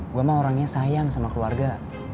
gue mah orangnya sayang sama keluarga